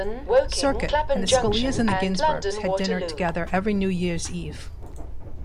Circuit, and the Scalias and the Ginsburgs had dinner together every New Year's Eve.